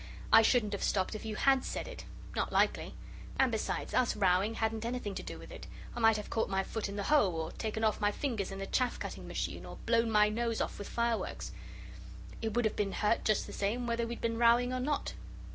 "I shouldn't have stopped if you HAD said it. Not likely. And besides, us rowing hadn't anything to do with it. I might have caught my foot in the hoe, or taken off my fingers in the chaff cutting machine or blown my nose off with fireworks. It would have been hurt just the same whether we'd been rowing or not."